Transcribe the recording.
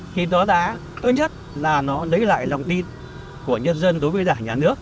thì nó đã thứ nhất là nó lấy lại lòng tin của nhân dân đối với đảng nhà nước